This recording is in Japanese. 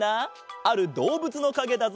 あるどうぶつのかげだぞ。